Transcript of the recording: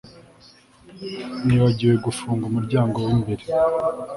Nibagiwe gufunga umuryango wimbere